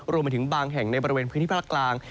รวมไปถึงบางแห่งในบริเวณพื้นที่ภาคกลาง